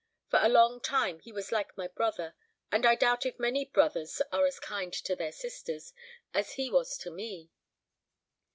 For a long time he was like my brother; and I doubt if many brothers are as kind to their sisters as he was to me.